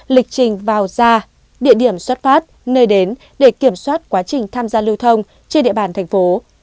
lịch trình vào ra địa điểm xuất phát nơi đến để kiểm soát quá trình tham gia lưu thông trên địa bàn thành phố